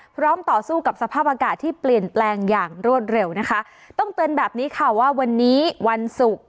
ต่อสู้กับสภาพอากาศที่เปลี่ยนแปลงอย่างรวดเร็วนะคะต้องเตือนแบบนี้ค่ะว่าวันนี้วันศุกร์